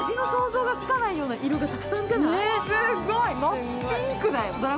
すっごい真っピンクだよ！